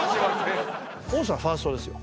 王さんはファーストですよ。